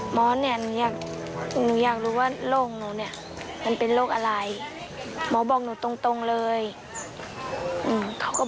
หมอเนี่ยหนูอยากรู้ว่าโรคหนูเนี่ยมันเป็นโรคอะไร